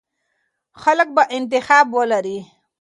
خلک به انتخاب ولري.